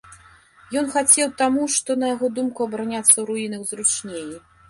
Ён хацеў таму што, на яго думку, абараняцца ў руінах зручней.